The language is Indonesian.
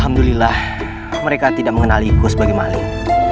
alhamdulillah mereka tidak mengenaliku sebagai makhluk